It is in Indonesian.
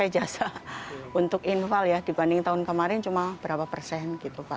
jasa untuk infal dibanding tahun kemarin cuma berapa persen